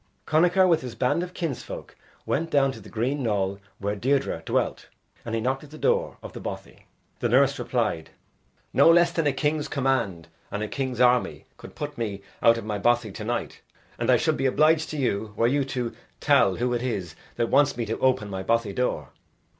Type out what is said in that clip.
Connachar with his band of kinsfolk went down to the green knoll where Deirdre dwelt and he knocked at the door of the bothy. The nurse replied, "No less than a king's command and a king's army could put me out of my bothy to night. And I should be obliged to you, were you to tell who it is that wants me to open my bothy door."